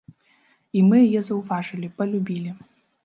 І мы яе заўважылі, палюбілі.